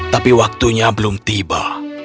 tapi waktunya belum tiba